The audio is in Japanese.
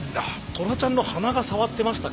トラちゃんの鼻が触ってましたか？